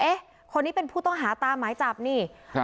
เอ๊ะคนนี้เป็นผู้ต้องหาตามหมายจับนี่อ่า